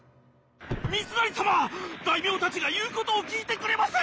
三成様大名たちが言うことを聞いてくれません！